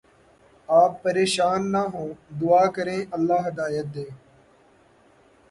آپ پریشان نہ ہوں دعا کریں اللہ ہدایت دے